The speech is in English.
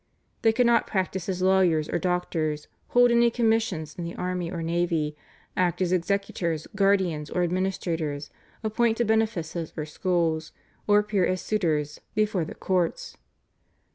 They could not practise as lawyers or doctors, hold any commissions in the army or navy, act as executors, guardians, or administrators, appoint to benefices or schools, or appear as suitors before the courts.